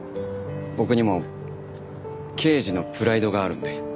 僕にも刑事のプライドがあるので。